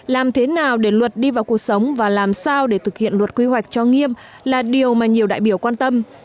làm thế nào để luật đi vào cuộc sống và làm sao để thực hiện luật quy hoạch cho nghiêm là điều mà nhiều đại biểu quan tâm